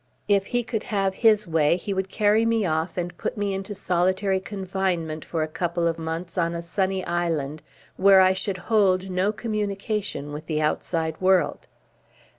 If he could have his way, he would carry me off and put me into solitary confinement for a couple of months on a sunny island, where I should hold no communication with the outside world.